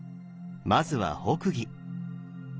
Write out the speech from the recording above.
まずは北魏。